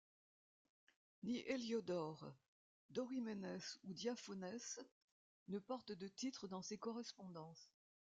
Ni Héliodore, Dorymenes ou Diophanes ne portent de titre dans ces correspondances.